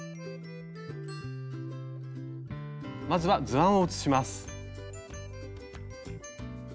まずは図案を写します。